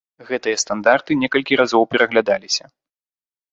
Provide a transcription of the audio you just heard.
Гэтыя стандарты некалькі разоў пераглядаліся.